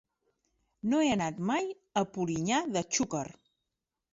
No he anat mai a Polinyà de Xúquer.